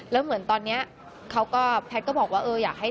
แล้วเหมือนตอนนี้แพทย์ก็บอกว่า